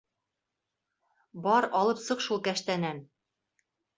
Бар алып сыҡ шул кәштәнән!